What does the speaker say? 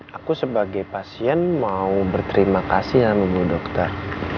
saya sebagai pasien mau berterima kasih sama bu dokter